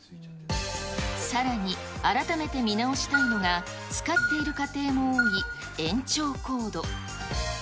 さらに、改めて見直したいのが、使っている家庭も多い延長コード。